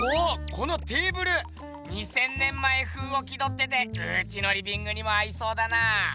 このテーブル２，０００年前風を気どっててうちのリビングにも合いそうだな！